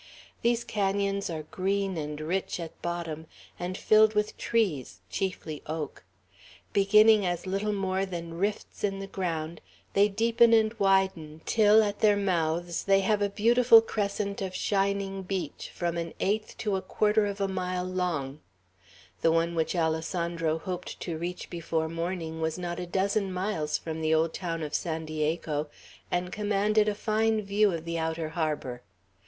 These canons are green and rich at bottom, and filled with trees, chiefly oak. Beginning as little more than rifts in the ground, they deepen and widen, till at their mouths they have a beautiful crescent of shining beach from an eighth to a quarter of a mile long, The one which Alessandro hoped to reach before morning was not a dozen miles from the old town of San Diego, and commanded a fine view of the outer harbor.